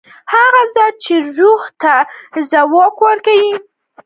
هغه ذات چې روح ته یې ځواک ورکړ.